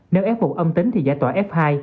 nếu f một âm tính thì giải tỏa f hai